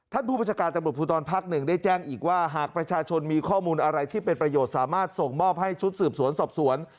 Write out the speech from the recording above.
ผู้บัญชาการตำรวจภูทรภักดิ์หนึ่งได้แจ้งอีกว่าหากประชาชนมีข้อมูลอะไรที่เป็นประโยชน์สามารถส่งมอบให้ชุดสืบสวนสอบสวน